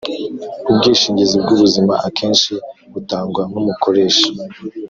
Ubwishingizi bw ubuzima akenshi butangwa n umukoresha